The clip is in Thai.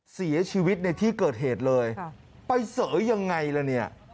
เสียชีวิตในที่เกิดเหตุเลยไปเสยยังไงล่ะเนี่ย